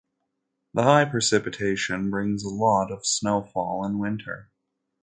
The high precipitation brings a lot of snowfall in winter.